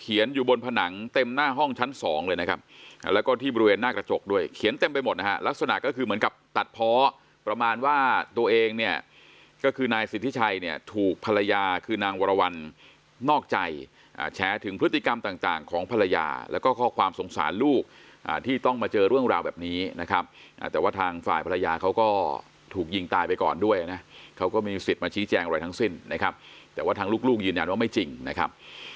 เขียนอยู่บนผนังเต็มหน้าห้องชั้นสองเลยนะครับแล้วก็ที่บริเวณหน้ากระจกด้วยเขียนเต็มไปหมดนะฮะลักษณะก็คือเหมือนกับตัดเพาะประมาณว่าตัวเองเนี่ยก็คือนายสิทธิชายเนี่ยถูกภรรยาคือนางวรวรรณนอกใจอ่าแช้ถึงพฤติกรรมต่างต่างของภรรยาแล้วก็ข้อความสงสารลูกอ่าที่ต้องมาเจอเรื่องราวแบบ